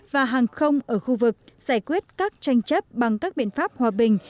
và hàng không ở khu vực giải quyết các tranh chấp bằng các biện pháp hòa bình